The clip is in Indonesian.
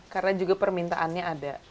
karena juga permintaannya ada